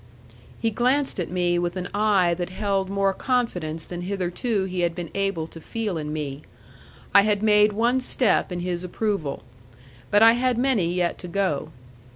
He glanced at me with an eye that held more confidence than hitherto he had been able to feel in me. I had made one step in his approval. But I had many yet to go.